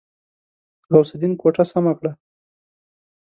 غوث الدين کوټه سمه کړه.